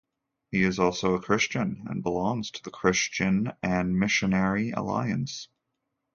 He is also a Christian and belongs to the Christian and Missionary Alliance.